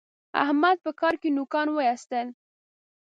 احمد په کار کې نوکان واېستل.